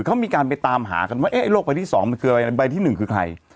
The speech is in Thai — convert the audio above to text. เขามีการไปตามหากันว่าเอ๊ะโลกใบที่สองมันคืออะไรใบที่หนึ่งคือใคร